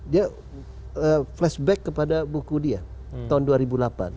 dia flashback kepada buku dia tahun dua ribu delapan